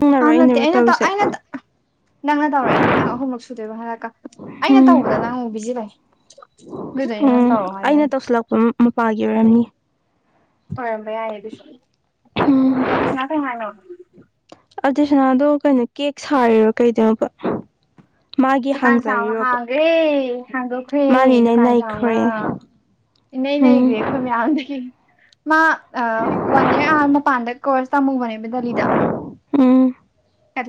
ꯅꯪꯅꯔꯣ ꯑꯅꯠꯇ ꯑꯩꯅꯔꯣ ꯑꯩꯅ ꯇ ꯇꯧꯔꯤꯁꯦ ꯑꯩꯅ ꯇꯧ ꯅꯪꯅ ꯇꯧꯔꯛꯏꯅꯦ ꯅꯪ ꯑꯍꯨꯝꯂꯛ ꯁꯨꯗꯣꯏꯕ ꯍꯥꯏꯔꯛꯀ ꯑꯩꯅ ꯎꯝ ꯇꯧꯕꯗ ꯅꯪ ꯑꯃꯨꯛ ꯕꯤꯖꯤ ꯂꯩ ꯑꯗꯨꯗ ꯌꯦꯅ ꯎꯝ ꯇꯧꯔ‌ꯣ ꯍꯥꯏꯗ‌ꯣ ꯑꯩꯅ ꯇꯧꯁꯤꯜꯂꯛꯄ ꯃꯄꯥꯒꯤ ꯑꯣꯏꯔꯝꯃꯤ ꯑꯣꯏꯔꯝꯕ ꯌꯥꯏꯌꯦ ꯑꯗꯨꯁꯨ ꯎꯝ ꯑꯗꯨꯁꯨ ꯅ ꯀꯩꯅꯃꯅꯣ ꯑꯗꯨꯁꯅꯥꯗꯣ ꯀꯩꯅꯣ ꯀꯦꯛ ꯁꯥꯔꯤꯔꯣ ꯀꯩꯗꯧꯅ‌ꯣꯕ ꯗꯨꯀꯥꯟ ꯆꯥꯎꯅ ꯍꯥꯡꯒ꯭ꯔ‌ꯦ ꯑꯩꯈꯣꯏ ꯃꯥꯅꯤꯅꯦ ꯗꯨꯀꯥꯟ ꯆꯥꯎꯅ ꯅꯩꯈ꯭ꯔꯦ ꯏꯟꯅꯩ ꯎꯝ ꯂꯩꯒꯦ ꯑꯩꯈꯣꯏ ꯃꯥ ꯋꯥꯟ ꯏꯔ ꯑꯥꯔ ꯃꯄꯥꯟꯗ ꯀꯣꯔꯁ ꯇꯝꯃꯨꯕꯅꯦꯕ ꯗꯦꯜꯂꯤꯗ ꯎꯝ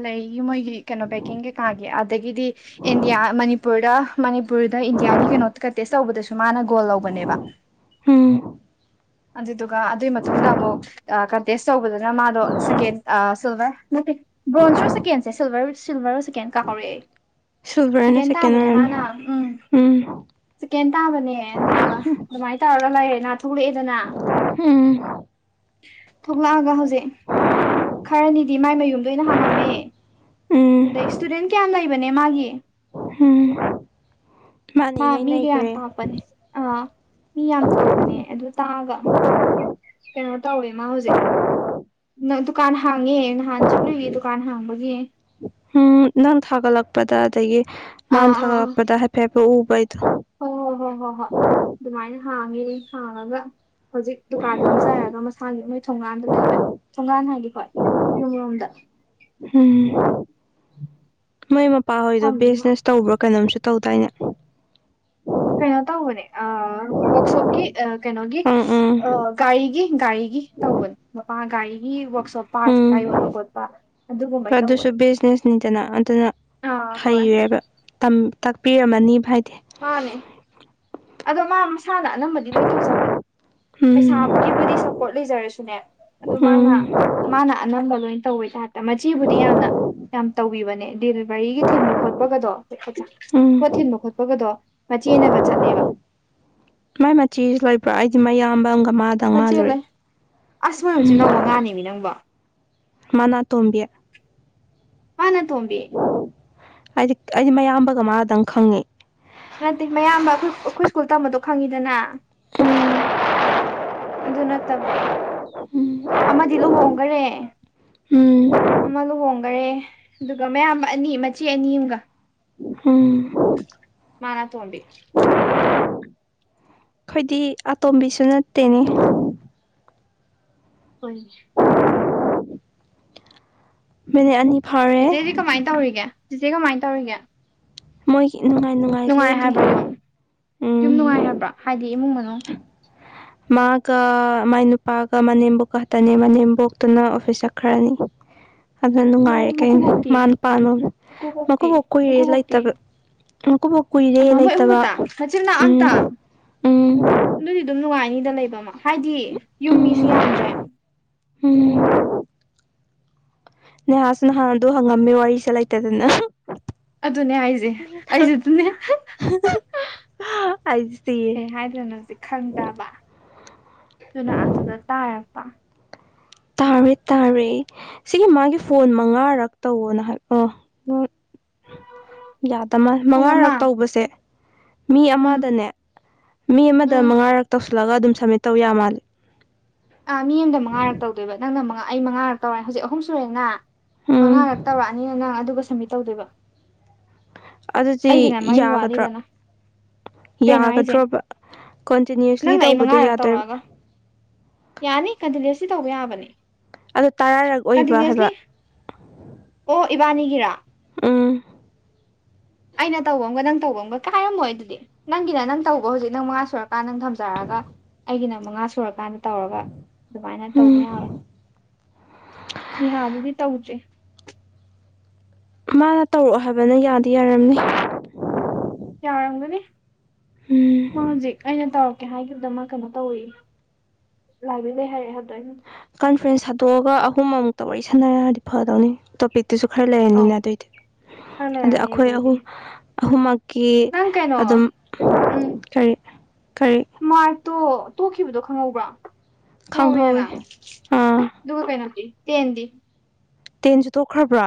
ꯂꯩ ꯃꯣꯏꯒꯤ ꯀꯩꯅꯣ ꯕꯦꯛꯀꯤꯡ ꯀꯩꯀꯥꯒꯤ ꯑꯗꯒꯤꯗꯤ ꯏꯟꯗꯤꯌꯥ ꯃꯅꯤꯄꯨꯔꯗ ꯃꯅꯤꯄꯨꯔꯗ ꯏꯟꯗꯤꯌꯥꯒꯤ ꯀꯩꯅꯣ ꯀꯟꯇꯦꯁ ꯇꯧꯕꯗꯁꯨ ꯃꯥꯅ ꯒꯣꯜ ꯂꯧꯕꯅꯦꯕ ꯎꯝ ꯑꯗꯨꯗꯨꯒ ꯑꯗꯨꯒꯤ ꯃꯇꯨꯡꯗ ꯑꯃꯨꯛ ꯑ ꯀꯇꯦꯁ ꯇꯧꯕꯗꯅ ꯃꯥꯗꯣ ꯁꯦꯀꯦꯟ ꯑ ꯁꯤꯜꯋ‌ꯔ ꯅꯠꯇ‌ꯦ ꯕ꯭ꯔꯣꯟꯖꯁꯨ ꯆꯦꯀꯦꯟꯁꯦ ꯁꯤꯜꯔ ꯁꯤꯜꯚꯔꯣ ꯁꯦꯀꯦꯟ ꯀꯥꯍꯧꯔꯛꯑ ꯑꯩ ꯁꯤꯜꯚꯔꯅ ꯁ‌ꯦꯀ‌ꯦꯟ ꯁꯦꯀꯦꯟ ꯇꯕꯅ‌ꯦ ꯑꯣꯏꯔꯝꯅꯤ ꯃꯥꯅ ꯎꯝ ꯆꯤꯛꯀꯦꯟ ꯇꯥꯕꯅꯦ ꯑꯗꯨꯗꯨꯒ ꯑꯗꯨꯃꯥꯏꯅ ꯇꯧꯔꯒ ꯂꯩꯔꯦ ꯅꯥ ꯊꯣꯛꯂꯛꯑꯦꯗꯅ ꯎꯝ ꯊ‌ꯣꯛꯂꯑꯒ ꯍꯧꯖꯤꯛ ꯈꯔꯅꯤꯗꯤ ꯃꯥꯏ ꯃꯌꯨꯝꯗ ꯑ‌ꯣꯏꯅ ꯍꯥꯡꯉꯝꯃ‌ꯦ ꯎꯝ ꯑꯗ‌ꯩ ꯁ꯭ꯇꯨꯗ‌ꯦꯟ ꯀꯌꯥꯝ ꯂꯩ ꯏꯕꯅꯦ ꯃꯥꯒꯤ ꯎꯝ ꯃꯥꯅ ꯃꯥ ꯏꯅꯩ ꯃꯤꯒ ꯌꯥꯝ ꯅꯩꯈ꯭ꯔꯦ ꯇꯥꯛꯄꯅꯦ ꯑꯥ ꯃꯤ ꯌꯥꯝ ꯇꯥꯛꯄꯅꯦ ꯑꯗꯨ ꯇꯥꯛꯑꯒ ꯀꯩꯅꯣ ꯇꯧꯋꯦ ꯃꯥ ꯍꯨꯖꯤꯛ ꯅꯪ ꯗꯨꯀꯥꯟ ꯍꯥꯡꯉꯦ ꯅꯍꯥꯟ ꯆꯠꯂꯨꯏꯌꯦ ꯗꯨꯀꯥꯟ ꯍꯥꯡꯕꯒꯤ ꯎꯝ ꯅꯪ ꯊꯥꯒꯠꯂꯛꯄꯗ ꯑꯗꯒꯤ ꯑꯥ ꯃꯥꯅ ꯊꯥꯒꯠꯂꯛꯄꯗ ꯍꯥꯏꯐꯦꯠ ꯍꯥꯏꯐꯦꯠ ꯎꯕ ꯑꯩꯗꯣ ꯍꯣ ꯍꯣ ꯍꯣ ꯍꯣ ꯍꯣ ꯗꯨꯃꯥꯏꯅ ꯍꯥꯡꯉꯦ ꯍꯥꯡꯉꯒ ꯍꯣꯖꯤꯛ ꯗꯨꯀꯥꯟ ꯐꯝꯖꯔꯒ ꯃꯁꯥꯒꯤ ꯃꯣꯏꯠ ꯊꯣꯡꯉꯥꯝꯗ ꯂꯩꯕ ꯊꯣꯡꯉꯥꯟ ꯍꯥꯏꯗꯤꯀꯣ ꯌꯨꯝꯔꯣꯝꯗ ꯎꯝ ꯃꯣꯏ ꯃꯄꯥꯍꯣꯏꯗꯣ ꯐꯝꯃꯤꯃ ꯕꯤꯖꯤꯅꯦꯁ ꯇꯧꯕ꯭ꯔꯥ ꯀꯩꯅꯣꯝꯁꯨ ꯇꯧꯗꯥꯏꯅꯦ ꯀꯩꯅꯣ ꯇꯧꯕꯅꯦ ꯑ ꯋꯛꯁꯣꯞꯀꯤ ꯑ ꯀꯩꯅꯣꯒꯤ ꯎꯝ ꯑ ꯎꯝ ꯒꯥꯔꯤꯒꯤ ꯒꯥꯔꯤꯒꯤ ꯇꯧꯕꯅꯤ ꯃꯄꯥ ꯒꯥꯔꯤꯒꯤ ꯋꯥꯛꯁꯣꯞ ꯄꯥꯔꯠꯁ ꯎꯝ ꯀꯥꯏ ꯌꯣꯟꯕ ꯈꯣꯠꯄ ꯑꯗꯨꯒꯨꯝꯕꯩ ꯑꯗꯨꯁꯨ ꯇꯧꯕꯅꯦ ꯕꯤꯖꯅꯦꯁꯅꯤꯗꯅ ꯑꯗꯨꯅ ꯑꯥ ꯍꯣꯏ ꯍꯩꯔꯦꯕ ꯇꯥꯛꯄꯤꯔꯝꯃꯅꯤ ꯚꯥꯏꯗꯤ ꯃꯥꯅꯦ ꯑꯗꯣ ꯃꯥ ꯃꯁꯥꯅ ꯑꯅꯝꯕꯗꯤ ꯂꯣꯏ ꯇꯧꯖꯕꯟ ꯎꯝ ꯄꯩꯁꯥꯒꯤꯕꯨꯗꯤ ꯁꯞꯄꯣꯔꯠ ꯂꯩꯖꯔꯁꯨꯅꯦ ꯑꯗꯨ ꯃꯥꯅ ꯎꯝ ꯃꯥꯅ ꯑꯅꯝꯕ ꯂꯣꯏ ꯇꯧꯋꯦ ꯇꯥꯔꯦ ꯃꯆꯦꯕꯨꯗꯤ ꯌꯥꯝꯅ ꯌꯥꯝ ꯇꯧꯕꯤꯕꯅꯦ ꯗꯤꯜꯚꯔꯤꯒꯤ ꯊꯤꯟꯕ ꯈꯣꯠꯄꯒꯗꯣ ꯎꯝ ꯄꯣꯠ ꯊꯤꯟꯕ ꯈꯣꯠ ꯄꯒꯗꯣ ꯃꯆꯦꯅꯒꯥ ꯆꯠꯂꯦꯕ ꯃꯥꯏ ꯃꯆꯦꯁꯨ ꯂꯩꯕ꯭ꯔꯣ ꯑꯩꯗꯤ ꯃꯌꯥꯝꯕ ꯑꯝꯒ ꯃꯥꯗ ꯃꯆꯦ ꯂꯩ ꯑꯁ ꯃꯣꯏ ꯃꯆꯤꯟꯅꯥꯎ ꯃꯉꯥꯅꯦꯃꯤ ꯅꯪꯕꯣ ꯃꯥꯅꯥ ꯑꯇꯣꯝꯕꯤ ꯃꯥꯅ ꯑꯇꯣꯝꯕꯤ ꯑꯩꯗꯤ ꯑꯩꯗꯤ ꯃꯌꯥꯝꯕꯒ ꯃꯥꯗꯪ ꯈꯪꯉꯤ ꯅꯠꯇꯦ ꯃꯌꯥꯝꯕ ꯑꯈꯣꯏ ꯑꯈꯣꯏ ꯁ꯭ꯀꯨꯜ ꯇꯝꯕꯗꯣ ꯈꯪꯉꯤꯗꯅ ꯑꯗꯨ ꯅꯠꯇꯕ ꯎꯝ ꯑꯃꯗꯤ ꯂꯨꯍꯣꯡꯒꯔꯦ ꯎꯝ ꯑꯃ ꯂꯨꯍꯣꯡꯒꯔꯦ ꯗꯨꯒ ꯃꯌꯥꯝꯕ ꯑꯅꯤ ꯃꯆꯦ ꯑꯅꯤ ꯑꯝꯒ ꯎꯝ ꯃꯥꯅ ꯇꯣꯝꯕꯤ ꯈꯣꯏꯗꯤ ꯑꯇꯣꯝꯕꯤꯁꯨ ꯅꯠꯇꯦꯅꯦ ꯍꯣꯏꯅꯦ ꯃꯤꯅꯤꯠ ꯑꯅꯤ ꯐꯥꯔꯦ ꯆꯤꯆꯦꯗꯤ ꯀꯃꯥꯏꯟ ꯇꯧꯔꯤꯒꯦ ꯆꯤꯆꯦ ꯀꯃꯥꯏꯟ ꯇꯧꯔꯤꯒꯦ ꯃꯣꯏꯒꯤ ꯅꯨꯉꯥꯏ ꯅꯨꯉꯥꯏ ꯅꯨꯡꯉꯥꯏ ꯂꯦꯜꯂꯤ ꯍꯥꯏꯕ꯭ꯔꯣ ꯌꯨꯝ ꯌꯨꯝ ꯎꯝ ꯅꯨꯡꯉꯥꯏ ꯍꯥꯏꯕ꯭ꯔꯥ ꯍꯥꯏꯗꯤ ꯏꯃꯨꯡ ꯃꯅꯨꯡ ꯃꯥꯒ ꯃꯥꯏ ꯅꯨꯄꯥꯒ ꯃꯅꯦꯝꯕꯨꯣꯛꯈꯇꯅꯦ ꯃꯅꯦꯝꯕꯣꯛꯇꯨꯅ ꯑꯣꯐꯤꯁ ꯆꯛꯈ꯭ꯔꯅꯤ [unintelligible] ꯑꯗꯨꯟ ꯅꯨꯡꯉꯥꯏꯔꯦ ꯑꯣ ꯀꯩꯅꯣ ꯃꯀꯨꯕꯣꯛꯇꯤ ꯃꯥꯅ [unintelligible] ꯃꯀꯨꯕꯣꯛꯇꯤ ꯃꯀꯨꯕꯣꯛ ꯀꯨꯏꯔꯦ ꯃꯀꯨꯕꯣꯛꯇꯤ ꯂꯩꯇꯕ ꯃꯀꯨꯕꯣꯛ ꯀꯨꯏꯔꯦ ꯃꯥ ꯃꯣꯏ ꯑꯍꯨꯝ ꯂꯩꯇꯕ ꯈꯛꯇ ꯃꯆꯤꯟ ꯃꯅꯥꯎ ꯎꯝ ꯑꯝꯇ ꯎꯝ ꯑꯗꯨꯗꯤ ꯗꯨꯝ ꯅꯨꯉꯥꯏꯅꯤꯗ ꯂꯩꯕ ꯃꯥ ꯍꯥꯏꯗꯤ ꯌꯨꯝ ꯃꯤꯁꯨ ꯎꯝ ꯌꯥꯝꯗ꯭ꯔꯦ ꯎꯝ ꯅꯦꯍꯥꯁꯨ ꯅꯍꯥꯟꯗꯣ ꯍꯪꯉꯝꯃꯦ ꯋꯥꯔꯤꯁꯦ ꯂꯩꯇꯗꯅ ꯑꯗꯨꯅꯦ ꯍꯥꯏꯁꯦ ꯑꯩꯁꯨ ꯑꯗꯨꯅꯦ ꯑꯩꯁꯦ ꯀꯩ ꯁꯤꯔꯦ ꯍꯥꯏꯗ꯭ꯣꯅꯣꯗꯤ ꯈꯪꯗꯕ ꯑꯗꯨꯨꯅ ꯑꯗꯨꯗ ꯇꯥꯔꯛꯄ ꯇꯥꯔꯦ ꯇꯥꯔꯦ ꯁꯤꯒꯤ ꯃꯥꯒꯤ ꯐꯣꯟ ꯃꯉꯥꯔꯛ ꯇꯧꯋꯣꯅ ꯍꯥꯏ ꯑꯣ ꯌꯥꯗꯃꯥꯟ ꯄꯨꯡ ꯃꯉꯥꯔꯛ ꯑꯃ ꯇꯧꯕꯁꯦ ꯃꯤ ꯎꯝ ꯑꯃꯗꯅꯦ ꯃꯤ ꯑꯃꯗ ꯎꯝ ꯃꯉꯥꯔꯛ ꯇꯧꯁꯤꯜꯂꯒ ꯑꯗꯨꯝ ꯁꯥꯞꯃꯤꯠ ꯇꯧ ꯌꯥ ꯃꯥꯜꯂꯦ ꯑꯥ ꯃꯤ ꯑꯃꯗ ꯃꯉꯥꯔꯛ ꯇꯧꯗꯣꯏꯕ ꯅꯪꯅ ꯃꯉꯥ ꯑꯩ ꯃꯉꯥꯔꯛ ꯇꯧꯔꯦ ꯍꯧꯖꯤꯛ ꯑꯍꯨꯝ ꯁꯨꯔꯦꯅ ꯃꯉꯥꯔꯛ ꯎꯝ ꯇꯧꯔꯛꯑꯅꯤꯅ ꯅꯪ ꯑꯗꯨꯒ ꯁꯥꯞꯃꯤꯠ ꯇꯧꯗꯣꯏꯕ ꯑꯗꯨꯗꯤ ꯑꯩꯒꯤꯅ ꯃꯔꯤ ꯌꯥꯒꯗ꯭ꯔꯥ ꯋꯥꯠꯂꯤꯗꯅ ꯀꯩꯅꯣ ꯍꯥꯏꯁꯦ ꯌꯥꯒꯗ꯭ꯔꯣꯕ ꯀꯟꯇꯤꯅ꯭ꯌꯨꯁꯂꯤ ꯅꯪꯅ ꯑꯩ ꯇꯧꯕꯗꯣ ꯃꯉꯥꯔꯛ ꯌꯥꯗꯣꯏꯕ ꯇꯧꯔꯛꯑꯒ ꯌꯥꯅꯤ ꯀꯟꯇꯤꯅ꯭ꯌꯨꯁꯂꯤ ꯇꯧꯕ ꯌꯥꯕꯅꯦ ꯑꯗꯣ ꯇꯔꯥꯔꯛ ꯑꯣꯏꯕ ꯀꯟꯇꯤꯅ꯭ꯨꯁꯂꯤ ꯍꯥꯏꯕ ꯑꯣ ꯏꯕꯥꯅꯤꯒꯤꯔꯥ ꯎꯝ ꯑꯩꯅ ꯇꯧꯕ ꯑꯃꯒ ꯅꯪ ꯇꯧꯕ ꯑꯃꯒ ꯀꯥꯏꯔꯝꯃꯣꯏ ꯑꯗꯨꯗꯤ ꯅꯪꯒꯤꯅ ꯅꯪ ꯇꯧꯕ ꯍꯧꯖꯤꯛ ꯅꯪ ꯃꯉꯥ ꯁꯨꯔꯀꯥꯟꯗ ꯅꯪ ꯊꯝꯖꯔꯛꯑꯒ ꯑꯩꯒꯤꯅ ꯃꯉꯥ ꯁꯨꯔꯀꯥꯟꯗ ꯇꯧꯔꯒ ꯑꯗꯨꯃꯥꯏꯅ ꯇꯧꯅꯤ ꯎꯝ ꯍꯥꯢꯕꯅꯦ ꯅꯤꯍꯥꯗꯨꯗꯤ ꯇꯧꯗ꯭ꯔꯤ ꯃꯥꯅ ꯇꯧꯔꯛꯑꯣ ꯍꯥꯏꯕꯅ ꯌꯥꯗꯤ ꯌꯥꯔꯝꯅꯤ ꯌꯥꯔꯝꯒꯅꯤ ꯃꯥ ꯎꯝ ꯍꯧꯖꯤꯛ ꯑꯩꯅ ꯇꯧꯔꯛꯀꯦ ꯍꯥꯏꯈꯤꯕꯗ ꯃꯥ ꯀꯩꯅꯣ ꯇꯧꯋꯤ ꯂꯥꯏꯕ꯭ꯔꯦꯂꯤꯗ ꯂꯩ ꯍꯥꯏꯔꯛꯑꯦ ꯍꯥꯏꯕꯗꯣ ꯑꯩꯅ ꯀꯟꯐ꯭ꯔꯦꯟꯁ ꯊꯥꯗꯣꯛꯑꯒ ꯑꯍꯨꯝ ꯑꯃꯨꯛꯇ ꯋꯥꯔꯤ ꯁꯥꯟꯅꯔꯗꯤ ꯐꯗꯧꯅꯤ ꯇꯣꯄꯤꯛꯇꯨꯁꯨ ꯈꯔ ꯑꯧ ꯂꯩꯔꯅꯤꯅ ꯑꯗꯨꯑꯣꯏꯗꯤ ꯈꯔ ꯑꯗ ꯂꯩꯔꯅꯤ ꯑꯩꯈꯣꯏ ꯑꯗꯨꯗꯩꯗꯤ ꯑꯍꯨꯝ ꯑꯍꯨꯝꯃꯛ ꯀꯤ ꯅꯪ ꯀꯩꯅꯣ ꯑꯗꯨꯝ ꯀꯔꯤ ꯀꯔꯤ ꯃꯥꯛꯇꯣ ꯇꯣꯛꯈꯤꯕꯗꯣ ꯈꯪꯍꯧꯕ꯭ꯔꯥ ꯈꯪꯍꯧꯋꯤꯗꯅ ꯈꯪꯍꯧꯋꯤ ꯑꯥ ꯑꯗꯨꯒ ꯀꯩꯅꯣꯗꯤ ꯇꯦꯟꯗꯤ ꯇꯦꯟꯁꯨ ꯇꯣꯛꯈ꯭ꯔꯕ꯭ꯔꯥ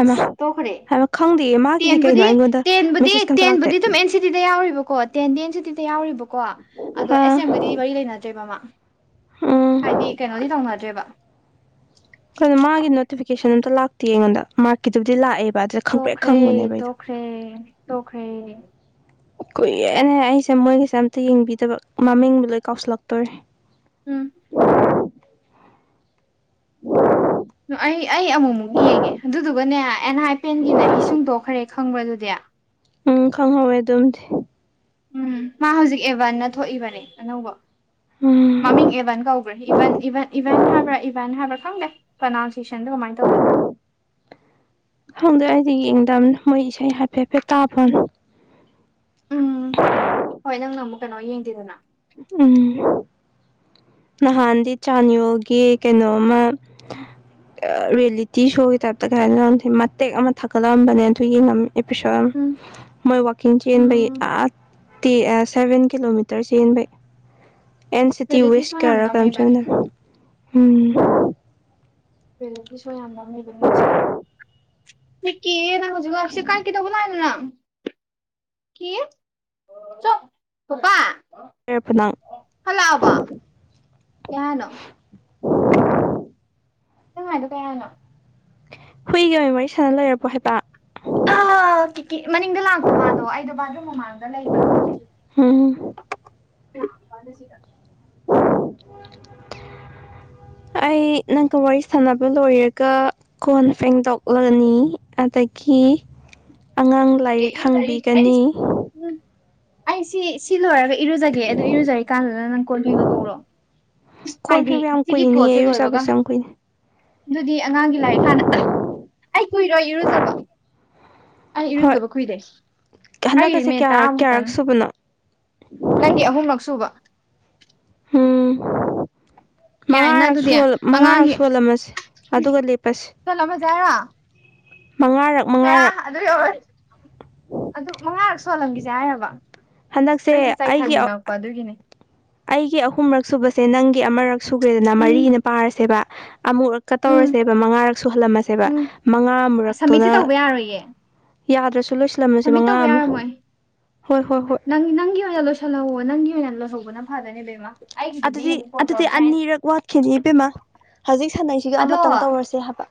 ꯍꯩꯃꯥ ꯇꯣꯛꯈ꯭ꯔꯦ ꯈꯪꯗꯦꯌꯦ ꯃꯥꯒꯤꯗꯤ ꯇꯦꯟꯕꯨꯗꯤ ꯀꯩꯅꯣ ꯑꯩꯉꯣꯟꯗ ꯇꯦꯟꯕꯨꯗꯤ ꯃꯦꯁꯦꯁ ꯀꯝꯇ ꯂꯥꯛꯇꯦ ꯇꯦꯟꯕꯨꯗꯤ ꯑꯗꯨꯝ ꯑꯦꯟ ꯁꯤꯗꯤꯗ ꯌꯥꯎꯔꯤꯕꯀꯣ ꯇꯦꯟꯗꯤ ꯑꯦꯟ ꯁꯤꯗꯤꯗ ꯌꯥꯎꯔꯤꯕꯀꯣ ꯑꯗꯣ ꯑꯥ ꯑꯦꯁ ꯑꯦꯝꯒꯗꯤ ꯃꯔꯤ ꯂꯩꯅꯗꯦ ꯅꯠꯇꯦꯕꯃꯥ ꯎꯝ ꯍꯥꯏꯗꯤ ꯀꯩꯅꯣꯗꯤ ꯇꯧꯅꯗ꯭ꯔꯦꯕ ꯀꯩꯅꯣ ꯃꯥꯒꯤ ꯅꯣꯇꯤꯐꯤꯀꯦꯁꯟ ꯑꯝꯇ ꯂꯥꯛꯇꯦ ꯑꯩꯉꯣꯟꯗ ꯃꯥꯔꯛꯀꯤꯗꯨꯕꯨꯗꯤ ꯂꯥꯛꯑꯦꯕ ꯑꯗꯨ ꯇꯣꯛꯈ꯭ꯔꯦ ꯇꯣꯛꯈ꯭ꯔꯦ ꯇꯣꯛꯈ꯭ꯔꯦ ꯀꯨꯏꯔꯦꯅꯦ ꯑꯩꯁꯦ ꯃꯣꯏꯒꯤꯁꯦ ꯑꯝꯇ ꯌꯦꯡꯕꯤꯗꯕ ꯃꯃꯤꯡꯗꯤ ꯂꯣꯏ ꯀꯥꯎꯁꯤꯜꯂꯛꯇꯣꯔꯦ ꯎꯝ ꯎꯝ ꯑꯩ ꯑꯩ ꯑꯃꯨꯛꯃꯨꯛ ꯌꯦꯡꯉꯦ ꯑꯗꯨꯗꯨꯒꯅꯦ ꯑꯦꯟ ꯍꯥꯏꯄꯦꯟꯒꯤꯅꯦ ꯍꯁꯤꯡꯗꯣ [unintelligible] ꯈꯪꯕ꯭ꯔꯥ ꯑꯗꯨꯗꯤ ꯎꯝ ꯈꯪꯍꯧꯋꯦ ꯑꯗꯨꯝꯗꯤ ꯎꯝ ꯃꯥ ꯍꯧꯖꯤꯛ ꯑꯦꯚꯟꯅ ꯊꯣꯛꯏꯕꯅꯦ ꯑꯅꯧꯕ ꯃꯃꯤꯡ ꯎꯝ ꯑꯦꯚꯟ ꯀꯧꯕ ꯏꯚ ꯏꯚꯦꯟ ꯍꯥꯏꯕ꯭ꯔꯥ ꯏꯚꯦꯟ ꯍꯥꯏꯕ꯭ꯔꯥ ꯈꯪꯗꯦ ꯄ꯭ꯔꯅꯥꯎꯟꯁꯤꯌꯦꯁꯟꯗꯣ ꯀꯃꯥꯏꯅ ꯇꯧꯗꯨꯢꯅꯣ ꯈꯪꯗꯦ ꯑꯩꯗꯤ ꯌꯦꯡꯗꯝꯅꯤꯅ ꯃꯣꯏ ꯏꯁꯩ ꯍꯥꯏꯐꯦꯠ ꯍꯥꯏꯐꯦꯠ ꯇꯥꯕ ꯋꯥꯅꯤ ꯎꯝ ꯍꯣꯏ ꯅꯪꯅ ꯑꯃꯨꯛ ꯀꯩꯅꯣ ꯌꯦꯡꯗꯦꯗꯅ ꯎꯝ ꯅꯍꯥꯟꯗꯤ ꯆꯥꯟꯌꯣꯜꯒꯤ ꯀꯩꯅꯣꯝꯃ ꯎꯝ ꯔꯤꯌꯦꯂꯤꯇꯤ ꯁꯣꯒꯤ ꯇꯥꯏꯞꯇ ꯀꯩ ꯍꯥꯏꯅꯤ ꯂꯧꯁꯦ ꯃꯇꯦꯛ ꯑꯃ ꯊꯥꯀꯠꯂꯛꯑꯝꯕꯅꯦ ꯑꯗꯨ ꯌꯦꯡꯉꯝꯃꯤ ꯏ ꯄꯤ ꯁꯝ ꯎꯝ ꯃꯣꯏ ꯋꯥꯛꯀꯤꯡ ꯆꯦꯟꯕꯩ ꯎꯝ ꯇꯤ ꯁꯚꯦꯟ ꯀꯤꯂꯣꯃꯤꯇꯔ ꯆꯦꯟꯕꯩ ꯑꯦꯟ ꯁꯤ ꯇꯤ ꯔꯤꯌꯦꯂꯤꯇꯤ ꯁꯣ ꯌꯥꯝ ꯋꯦꯁꯀꯔꯥ ꯀꯝ ꯅꯝꯃꯤꯕꯅꯦ ꯆꯦꯃꯤꯦꯗꯥ ꯎꯝ ꯂꯦꯗꯤ ꯁꯣ ꯌꯥꯝ ꯅꯎ ꯂꯩꯕꯅꯦ ꯍꯧꯖꯤꯛꯀ ꯊ ꯀ ꯅ ꯍꯧꯖꯤ ꯑꯁ ꯀꯥꯏ ꯀꯩꯗꯧꯕꯥ ꯂꯥꯛꯏꯅꯣ ꯀ ꯆ ꯆꯣ ꯀꯥꯀꯥ ꯂꯩꯔꯕꯣ ꯅꯪ ꯍꯜꯂꯛꯑꯕꯣ ꯀꯩ ꯍꯥꯏꯅꯣ ꯎꯝ ꯍꯥꯏꯗꯤ ꯀꯩ ꯍꯥꯏꯅꯣ ꯍꯨꯏꯒ ꯑꯣꯏꯅ ꯋꯥꯔꯤ ꯁꯥꯟꯅ ꯂꯩꯔꯕ꯭ꯔꯣ ꯍꯥꯏꯕ ꯇꯤꯀꯤ ꯃꯅꯤꯡꯗ ꯂꯥꯛꯄ ꯃꯥꯗꯣ ꯑꯩꯗꯣ ꯕꯥꯠꯔꯨꯝ ꯃꯃꯥꯡꯗ ꯂꯩꯕ ꯑꯗꯨꯗꯤ ꯍꯝ [unintelligible] ꯑꯩ ꯅꯪꯒ ꯋꯥꯔꯤ ꯁꯥꯟꯅꯕ ꯂꯣꯏꯔꯒ ꯀꯣꯟ ꯐꯦꯡꯗꯣꯛꯂꯅꯤ ꯑꯗꯒꯤ ꯑꯉꯥꯡ ꯑꯦ ꯂꯥꯏꯔꯤꯛ ꯏꯔꯨꯖꯔꯤ ꯑꯩ ꯍꯪꯕꯤꯒꯅꯤ ꯎꯝ ꯑꯩꯁꯤ ꯁꯤ ꯂꯣꯏꯔꯒ ꯏꯔꯨꯖꯒꯦ ꯑꯗꯨ ꯏꯔꯨꯖꯔꯤ ꯀꯥꯟꯗꯨꯅ ꯅꯪ ꯀꯣꯟ ꯐꯦꯡꯗꯣꯛꯍꯧꯔꯣ ꯍꯧꯔꯣ ꯀꯣꯟ ꯍꯥꯏꯗꯤ ꯐꯦꯡꯕ ꯌꯥꯝ ꯁꯤꯒꯤ ꯀꯨꯏꯅꯤꯌꯦ ꯀꯣꯜꯁꯦ ꯂꯣꯏꯕꯒ ꯏꯔꯨꯖꯕꯁꯨ ꯌꯥꯝ ꯀꯨꯏꯅꯤ ꯑꯗꯨꯗꯤ ꯑꯉꯥꯡꯒꯤ ꯂꯥꯏꯔꯤꯛ ꯍꯥꯟꯅꯗ ꯑꯩ ꯀꯨꯏꯔꯣꯏ ꯏꯔꯨꯖꯕ ꯑꯩ ꯍꯣꯏ ꯏꯔꯨꯖꯕ ꯀꯨꯏꯗꯦ ꯍꯥꯏꯗꯤ ꯍꯟꯗꯛꯀꯁꯦ ꯃꯤꯅꯨꯠ ꯀꯌꯥꯔꯛ ꯀꯌꯥꯔꯛ ꯇꯥꯔ꯭ꯃꯨꯛꯇꯅꯦ ꯁꯨꯕꯅꯣ ꯅꯪꯒꯤ ꯑꯍꯨꯝꯂꯛ ꯁꯨꯕ ꯎꯝ ꯌꯥꯏꯅ ꯃꯉꯥꯔꯛ ꯑꯗꯨꯗꯤ ꯃꯉꯥꯔꯛ ꯑꯉꯥꯡꯒꯤ ꯁꯣꯜꯂꯝꯃꯁꯦ ꯑꯗꯨꯒ ꯂꯦꯞꯄꯁꯦ ꯁꯣꯜꯂꯝꯃꯁꯦ ꯍꯥꯏꯔꯣ ꯃꯉꯥꯔꯛ ꯍꯦꯔꯥ ꯑꯗꯨ ꯌꯧꯔꯣꯏ ꯑꯗꯨ ꯃꯉꯥꯔꯛ ꯁꯣꯜꯂꯝꯈꯤꯁꯦ ꯍꯥꯏꯔꯕ ꯍꯟꯗꯛꯁꯦ ꯑꯩꯁꯦ ꯑꯩꯒꯤ ꯑ ꯆꯥꯏꯊꯅꯤꯡꯉꯛꯄ ꯑꯗꯨꯒꯤꯅꯦ ꯑꯩꯒꯤ ꯑꯍꯨꯝꯔꯛ ꯁꯨꯕꯁꯦ ꯅꯪꯒꯤ ꯑꯃꯔꯛ ꯁꯨꯈ꯭ꯔꯦꯗꯅ ꯎꯝ ꯃꯔꯤꯅ ꯄꯥꯔꯁꯦꯕ ꯑꯃꯨꯔꯛ ꯑꯃꯨꯛꯀꯥ ꯎꯝ ꯇꯧꯔꯁꯦꯕ ꯃꯉꯥꯔꯛ ꯁꯨꯍꯜꯂꯝꯃꯁꯦꯕ ꯃꯉꯥ ꯃꯨꯔꯛꯇꯨꯗ ꯌꯔꯣꯏꯌꯦ ꯌꯥꯗ꯭ꯔꯁꯨ ꯂꯣꯏꯁꯤꯜꯂꯝꯃꯁꯤ ꯃꯉꯥ ꯑꯃ ꯌꯥꯔꯝꯃꯣꯏ ꯍꯣꯏ ꯍꯣꯏ ꯍꯣꯏ ꯁꯥꯅꯧꯑꯣ ꯅꯪꯒꯤ ꯑꯣꯏꯅ ꯂꯩꯍꯧꯕꯅꯥ ꯐꯥꯒꯅꯤ ꯕꯦꯃꯃꯥ ꯑꯗꯨꯗꯤ ꯑꯗꯨꯗꯤ ꯑꯅꯤꯔꯛ ꯋꯥꯠꯈꯤꯅꯤ ꯏꯕꯦꯝꯃꯥ ꯍꯧꯖꯤꯛ ꯁꯥꯟꯅꯩꯁꯤꯒ ꯑꯗꯣ ꯑꯃꯇꯪ ꯇꯧꯔꯁꯦ ꯍꯥꯏꯕ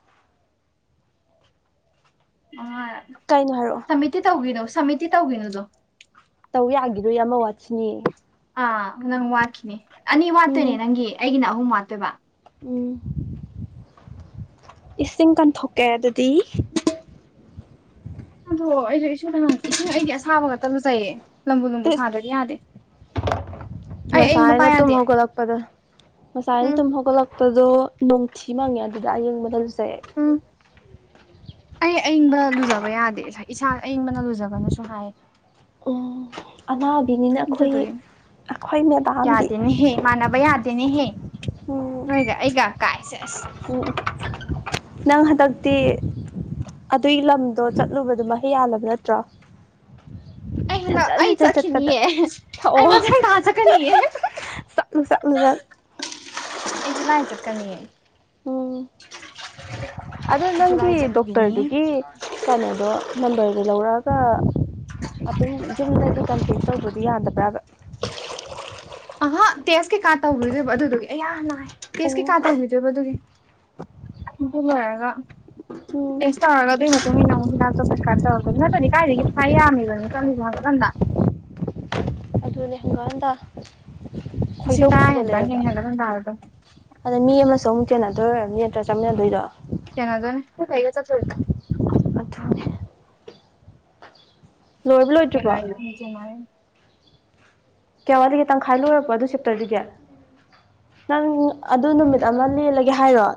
ꯃꯉꯥꯔꯛ ꯀꯥꯏꯅꯣ ꯍꯥꯏꯔꯛꯑꯣ ꯁꯨꯝꯃꯤꯠꯇꯤ ꯇꯧꯒꯤꯅꯣ ꯁꯨꯝꯃꯤꯠꯇꯤ ꯇꯧꯒꯤꯅꯣꯗꯣ ꯇꯧ ꯌꯥꯈꯤꯔꯣꯏ ꯑꯃ ꯋꯥꯠꯈꯤꯅꯤ ꯑꯥ ꯅꯪ ꯋꯥꯠꯈꯤꯅꯦ ꯑꯅꯤ ꯋꯥꯠꯇꯣꯏꯅꯦ ꯎꯝ ꯅꯪꯒꯤ ꯑꯩꯒꯤꯅ ꯑꯍꯨꯝ ꯋꯥꯠꯇꯣꯏꯕ ꯎꯝ ꯏꯁꯤꯡ ꯀꯟꯊꯣꯛꯀꯦ ꯑꯗꯨꯗꯤ ꯑꯗꯣ ꯑꯩꯁꯨ ꯏꯁꯤꯡ ꯏꯁꯤꯡ ꯑꯩꯗꯤ ꯑꯁꯥꯕ ꯈꯛꯇ ꯂꯨꯖꯩꯌꯦ ꯂꯕꯨ ꯂꯨꯝꯕꯨ ꯏꯁ ꯁꯥꯗ꯭ꯔꯗꯤ ꯌꯥꯗꯦ ꯑꯩ ꯑꯌꯤꯡꯕ ꯄꯥ ꯉꯁꯥꯏꯅ ꯇꯨꯝ ꯌꯥꯗꯦ ꯍꯧꯒꯠꯂꯛꯄꯗ ꯉꯁꯥꯏꯅ ꯎꯝ ꯇꯨꯝ ꯍꯧꯒꯠꯂꯛꯄ ꯇꯗꯣ ꯅꯣꯡꯊꯤ ꯃꯥꯡꯉꯦ ꯑꯗꯨꯗ ꯑꯌꯤꯡꯕꯅꯥ ꯂꯨꯖꯩ ꯑꯩ ꯎꯝ ꯑꯩ ꯑꯌꯤꯡꯕ ꯂꯨꯖꯕ ꯌꯥꯗꯦ ꯏꯁꯥ ꯑꯌꯤꯡꯕꯅ ꯂꯨꯖꯒꯥꯅꯣꯁꯨ ꯍꯥꯏꯌꯦ ꯑꯅꯥꯕꯤꯅꯤꯅ ꯑꯩꯈꯣꯏ ꯑꯗꯨꯗꯨꯒꯤꯅꯦ ꯑꯩꯈꯣꯏ ꯃꯦꯗꯥꯝꯗꯤ ꯌꯥꯗꯦꯅꯦꯍꯦ ꯃꯥꯟꯅꯕ ꯌꯥꯗꯦꯅꯦꯍꯌꯦ ꯎꯝ ꯅꯣꯏꯒ ꯑꯩꯒ ꯀꯥꯏꯁꯦ ꯑꯁ ꯅꯪ ꯍꯟꯗꯛꯇꯤ ꯑꯗꯨꯢ ꯂꯝꯗꯣ ꯆꯠꯂꯨꯕꯗꯣ ꯃꯍꯩ ꯌꯥꯜꯂꯕ ꯅꯠꯇ꯭ꯔꯣ ꯑꯩ ꯍꯟꯗꯛ ꯍꯟꯖꯟ ꯑꯩ ꯍꯟꯖꯟ ꯆꯠꯄꯗ ꯆꯠꯈꯤꯅꯤꯌꯦ ꯑꯦꯍꯦ ꯊꯛꯑꯣ ꯑꯩ ꯃꯊꯪ ꯊꯥ ꯆꯀꯅꯤꯌꯦ [unintelligible] ꯆꯠꯂꯨ ꯆꯠꯂꯨ ꯅꯪ ꯑꯩ ꯖꯨꯂꯥꯏ ꯆꯠꯀꯅꯤꯌꯦ ꯎꯝ ꯑꯗꯣ ꯅꯪꯒꯤ ꯖꯨꯂꯥꯏ ꯆꯠꯂꯨꯒꯤꯅꯤ ꯗꯣꯛꯇꯔꯗꯨꯒꯤ ꯀꯩꯅꯣꯗꯣ ꯅꯝꯕꯔꯗꯣ ꯂꯧꯔꯛꯑꯒ ꯑꯗꯨꯝ ꯖꯤꯝꯗꯒ ꯀꯝꯄ꯭ꯂꯤꯠ ꯇꯧꯕꯗꯤ ꯌꯥꯗꯕ꯭ꯔꯥꯒ ꯑꯍ ꯇꯦꯁ ꯀꯩꯀꯥ ꯇꯧꯕꯤꯗꯣꯏꯕ ꯑꯗꯨꯗꯨꯒꯤ ꯑꯌꯥ ꯅꯥꯢ ꯑꯣ ꯇꯦꯁ ꯀꯩꯀꯥ ꯇꯧꯕꯤꯗꯣꯏꯕ ꯑꯗꯨꯒꯤ ꯑꯗꯨ ꯂꯣꯢꯔꯒ ꯎꯝ ꯇꯦꯁ ꯇꯧꯔꯒ ꯑꯗꯨꯢ ꯃꯇꯨꯡ ꯇꯨꯡꯢꯟꯅ ꯃꯨꯛ ꯍꯤꯗꯥꯛꯇꯣ ꯄ꯭ꯔꯦꯀꯥꯞ ꯇꯣꯔꯛ ꯅꯠꯇꯗꯤ ꯀꯥꯏꯗꯒꯤ ꯐ ꯌꯥꯃꯤꯕꯅꯤ ꯆꯠꯂꯤꯗꯣ ꯍꯟꯒꯠ ꯍꯟꯗꯥ ꯑꯗꯨꯅꯦ ꯍꯟꯒ ꯍꯟꯗꯥ ꯂꯤꯁꯤꯡ ꯇꯔꯥ ꯍꯦꯟꯀ꯭ꯔꯅꯤ ꯍꯟꯒꯠ ꯍꯟꯗꯥꯗ ꯑꯗꯨꯝ ꯑꯗ ꯃꯤ ꯑꯃꯁꯨ ꯑꯃꯨꯛ ꯆꯦꯟꯅꯗꯣꯏ ꯑꯣꯢꯔꯝꯅꯤ ꯑꯗ ꯆꯞꯃꯤꯟꯅꯗꯣꯏꯗꯣ ꯁꯦꯅꯖꯅꯦ ꯅꯪꯒ ꯑꯩꯒ ꯆꯠ [unintelligible] ꯑꯗꯨꯅꯦ ꯂꯣꯏꯕ ꯂꯣꯏꯗ꯭ꯔꯤꯕꯣ ꯀꯩꯍꯥꯢꯅꯣ ꯅꯤꯡꯆꯦꯅꯥꯏꯌꯦ ꯀꯌꯥ ꯋꯥꯂꯤꯒꯤ ꯇꯪꯈꯥꯏ ꯂꯣꯏꯔꯕꯣ ꯑꯗꯨꯢ ꯆꯞꯇꯔꯗꯨꯒꯤ ꯅꯪ ꯑꯗꯨ ꯅꯨꯃꯤꯠ ꯑꯃ ꯂꯦꯜꯂꯒꯦ ꯍꯥꯏꯔꯣ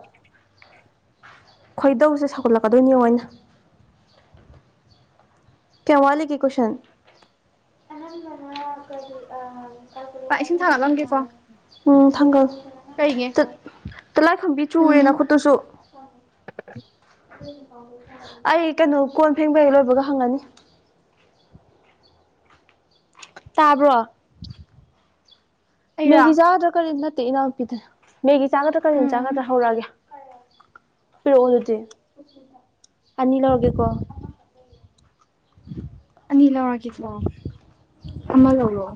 ꯈꯣꯏꯗꯧꯁꯦ ꯁꯧꯒꯠꯂꯛꯀꯗꯣꯏꯅꯤꯌꯣ ꯑꯩꯅ ꯀ꯭ꯌꯥꯝ ꯋꯥꯠꯂꯤꯒꯦ ꯀꯣꯢꯁꯟ ꯑꯅꯝꯕꯅ ꯀꯔꯤ ꯄꯥꯛ ꯏꯁꯤꯡ ꯊꯥꯡꯒꯠꯂꯝꯒꯦꯀꯣ ꯑꯥ [unintelligible] ꯎꯝ ꯊꯥꯡꯒꯜ ꯀꯩꯒꯤ ꯇꯤꯠ ꯇꯤꯂꯥꯏꯐꯨꯝꯕꯤ ꯆꯨꯔꯦ ꯎꯝ ꯅꯈꯨꯠꯇꯨꯁꯨ [unintelligible] ꯑꯩ ꯀꯩꯅꯣ ꯀꯣꯟ ꯐꯦꯡꯕ ꯍꯦꯛ ꯂꯣꯏꯕꯒ ꯍꯪꯉꯅꯤ ꯇꯥꯕ꯭ꯔꯣ ꯑꯩꯔꯣ ꯃꯦꯒꯤ ꯆꯥꯒꯗ꯭ꯔꯥ ꯀꯔꯤ ꯅꯠꯇꯦ ꯏꯅꯥꯎꯅꯨꯄꯤꯗꯅꯤ ꯃꯦꯒꯤ ꯆꯥꯒꯗ꯭ꯔꯥ ꯀꯔꯤꯝ ꯎꯝ ꯆꯥꯒꯗ꯭ꯔꯥ ꯍꯧꯔꯛꯑꯒꯦ ꯄꯤꯔꯛꯑꯣ ꯑꯗꯨꯗꯤ ꯑꯅꯤ ꯂꯧꯔꯒꯦꯀꯣ ꯑꯅꯤ ꯂꯧꯔꯒꯦꯀꯣ ꯑꯃꯥ ꯂꯧꯔꯣ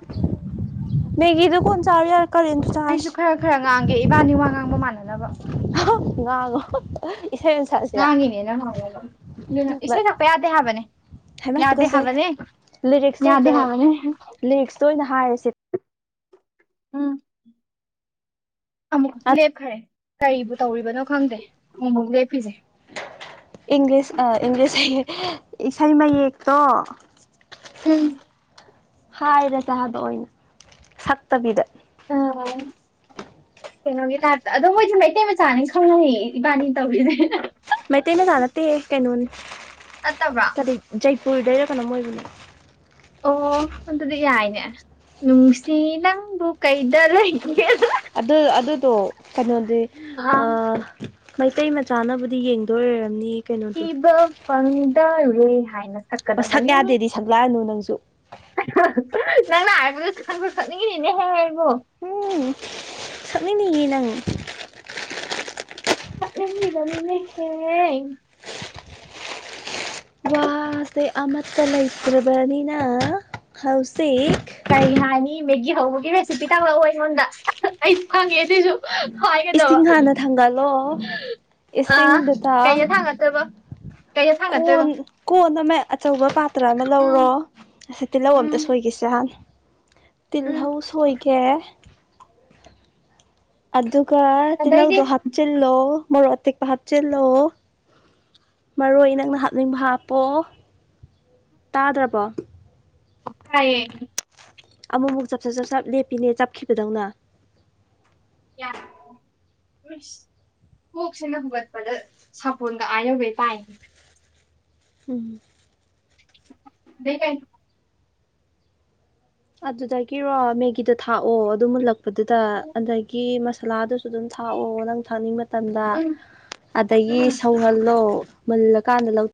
ꯃꯦꯒꯤ ꯗꯨ ꯀꯣꯟ ꯆꯥꯔꯦ ꯌꯥꯔꯦ ꯀꯔꯤꯟ ꯑꯩꯁꯨ ꯈꯔ ꯈꯔ ꯉꯥꯡꯒꯦ ꯏꯕꯥꯅꯤ ꯋꯥ ꯉꯥꯡꯕ ꯃꯥꯟꯅꯅꯕ [unintelligible] ꯉꯥꯡꯉꯣ ꯏꯁꯩ ꯑꯣꯏꯅ ꯁꯛꯑꯁꯤꯔ ꯉꯥꯡꯉꯤꯅꯦꯅ ꯉꯥꯡꯉ ꯑꯗꯨꯅ ꯏꯁꯩ ꯁꯛꯄ ꯌꯥꯗꯦ ꯍꯥꯏꯕꯅꯦ ꯍꯩꯃꯥ ꯌꯥꯗꯦ ꯇꯨꯀꯠꯆꯩ ꯍꯥꯏꯕꯅꯦ ꯌꯥꯗꯦ ꯍꯥꯏꯕꯅꯦ ꯍꯦ ꯇꯣꯏꯅ ꯍꯥꯏꯔꯁꯦ ꯎꯝ ꯑꯃꯨꯛ ꯂꯦꯞꯈ꯭ꯔꯦ ꯀꯔꯤꯕꯨ ꯇꯧꯔꯤꯕꯅꯣ ꯈꯪꯗꯦ ꯑꯃꯨꯃꯨꯛ ꯂꯦꯞꯄꯤꯁꯦ ꯏꯪꯂꯤꯁ ꯑ ꯏꯪꯂꯤꯁ ꯍꯌꯦ ꯏꯁꯩ ꯃꯌꯦꯛꯇꯣ ꯎꯝ ꯍꯥꯏꯔꯁꯦ ꯍꯥꯢꯕ ꯑꯣꯏꯅ ꯁꯛꯇꯕꯤꯗ ꯎꯝ ꯀꯩꯅꯣꯒꯤ ꯇꯥꯏꯞꯇ ꯑꯗꯣ ꯃꯣꯏꯁꯦ ꯃꯩꯇꯩ ꯃꯆꯥꯅꯤ ꯈꯪꯅꯤꯡ ꯏꯕꯥꯅꯤ ꯇꯧꯔꯤꯁꯦ ꯃꯩꯇꯩ ꯃꯆꯥ ꯅꯠꯇꯦꯍꯦ ꯀꯩꯅꯣꯅꯤ ꯅꯠꯇꯕ꯭ꯔꯣ ꯀꯔꯤ ꯖꯩꯄꯨꯔꯗꯩꯔ ꯀꯩꯅꯣꯝ ꯑꯣꯏꯕꯅꯦ ꯑꯣ ꯑꯗꯨꯗꯤ ꯌꯥꯏꯅꯦ ꯅꯨꯡꯁꯤ ꯅꯪꯕꯨ ꯀꯩꯗ ꯂꯩꯒꯦ [unintelligible] ꯑꯗꯨ ꯑꯗꯨꯗꯣ ꯀꯩꯅꯣꯗꯤ ꯑ ꯃꯩꯇꯩ ꯃꯆꯥꯅꯕꯨꯗꯤ ꯌꯦꯡꯗꯣꯏ ꯑꯣꯏꯔꯝꯅꯤ ꯀꯩꯅꯣꯗꯨ ꯊꯤꯕ ꯐꯪꯗꯥꯔꯦ ꯍꯥꯏꯅ ꯑꯣ ꯁꯛ ꯁꯛꯀꯗꯕꯅꯤ ꯌꯥꯗꯦꯗꯤ ꯁꯛꯂꯥꯛꯑꯅꯨ ꯅꯪꯁꯨ ꯅꯪꯅ ꯍꯥꯏꯕꯗꯨ ꯈꯪꯁꯛ ꯁꯛꯅꯤꯡꯉꯤꯅꯤꯅꯦ ꯍꯦ ꯅꯪꯕꯨ ꯁꯛꯅꯤꯡꯅꯤꯌꯦ ꯅꯪ ꯁꯛꯅꯤꯡꯂꯤꯕꯅꯤ ꯏꯁꯩꯁꯦ ꯋꯥ ꯊꯕꯛꯁꯦ ꯑꯃꯠꯇ ꯂꯩꯇ꯭ꯔꯕꯅꯤꯅ ꯍꯧꯖꯤꯛ ꯀꯔꯤ ꯍꯥꯏꯅꯤ ꯃꯦꯒꯤ ꯍꯧꯕꯒꯤ ꯔꯦꯁꯤꯄꯤ ꯇꯥꯂꯛꯑꯣ ꯑꯩꯉꯣꯟꯗ ꯑꯩꯁꯨ ꯈꯪꯉꯦ ꯁꯤꯁꯨ ꯍꯥꯏꯒꯗꯧꯕ ꯏꯁꯤꯡ ꯍꯥꯟꯅ ꯊꯥꯡꯒꯠꯂꯣ ꯑ ꯏꯁꯤꯡꯗꯨꯗ ꯀꯩꯅꯣ ꯊꯥꯡꯒꯠꯇꯕ ꯀꯩꯗ ꯊꯥꯡꯒꯠꯇꯣꯏꯕ ꯀꯣꯟ ꯀꯣꯟ ꯑꯃ ꯑꯆꯧꯕ ꯄꯥꯇ꯭ꯔ ꯑꯃ ꯎꯝ ꯂꯧꯔꯣ ꯑꯁꯤ ꯇꯤꯜꯍꯧ ꯑꯃꯇ ꯎꯝ ꯁꯣꯏꯒꯦꯁꯦ ꯍꯥꯟꯅ ꯎꯝ ꯇꯤꯜꯍꯧ ꯁꯣꯏꯒꯦ ꯑꯗꯨꯒ ꯑꯗꯩꯗꯤ ꯇꯤꯜꯍꯧꯗꯣ ꯍꯥꯞꯆꯤꯜꯂꯣ ꯃꯔꯣꯛ ꯑꯇꯦꯛꯄ ꯍꯥꯞꯆꯤꯜꯂꯣ ꯃꯔꯣꯏ ꯅꯪꯅ ꯍꯥꯞꯅꯤꯡꯕ ꯍꯥꯞꯄꯣ ꯇꯥꯗ꯭ꯔꯕꯣ ꯇꯥꯌꯦ ꯑꯃꯨꯛ ꯑꯃꯨꯛ ꯆꯞꯆꯠ ꯆꯞꯆꯞ ꯂꯦꯞꯄꯤꯅꯦ ꯆꯞꯈꯤꯕꯗꯧꯅ ꯌꯥ [unintelligible] ꯀꯣꯛꯁꯤꯅ ꯍꯨꯟꯒꯠꯄꯗ ꯁꯥꯄꯣꯟꯒ ꯑꯥ ꯌꯧꯃꯩ ꯇꯥꯏꯌꯦ ꯎꯝ ꯑꯗꯨꯗꯩ ꯀꯩ ꯑꯗꯨꯗꯒꯤꯔꯣ ꯃꯦꯒꯤꯗ ꯊꯥꯛꯑꯣ ꯑꯗꯨ ꯃꯨꯜꯂꯛꯄꯗꯨꯗ ꯑꯗꯒꯤ ꯃꯁꯥꯂꯥꯗꯨꯁꯨ ꯨ ꯑꯗꯨꯝ ꯊꯥꯛꯑꯣ ꯅꯪ ꯊꯛꯅꯤꯡꯕ ꯃꯇꯝꯗ ꯎꯝ ꯑꯗꯒꯤ ꯎꯝ ꯁꯧꯍꯜꯂꯣ ꯃꯨꯜꯂꯥꯀꯥꯟꯗ ꯂꯧ